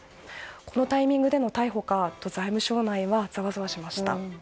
このタイミングでの逮捕かと財務省内はザワザワしました。